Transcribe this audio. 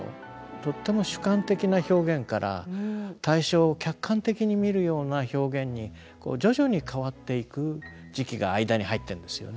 とっても主観的な表現から対象を客観的に見るような表現に徐々に変わっていく時期が間に入ってるんですよね。